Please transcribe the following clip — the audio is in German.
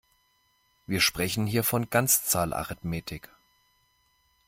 Wir sprechen hier von Ganzzahlarithmetik.